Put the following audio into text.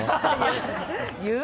言う？